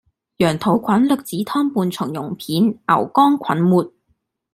羊肚菌栗子湯伴松露片．牛肝菌末